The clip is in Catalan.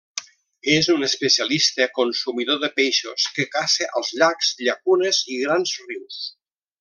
És un especialista consumidor de peixos que caça als llacs, llacunes i grans rius.